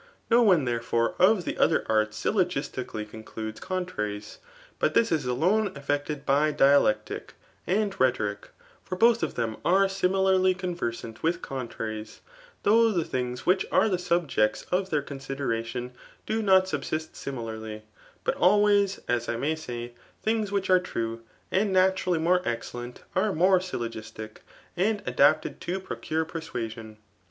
No one, thcare* for^ of the other arts ^Uogtsiically condodei cm* traries ; but this is alc«e effected by dSafectic and the toxic ; for both of them are stnnlarly conveMBit with contraries ; though the thmgs which are the suhftets of their consideration do not subsist sfairflariy, but ilwaysi as I may say» tlungs which are true, and naturally more excellent, are more syllogistic, and adapted to procure persuaaon.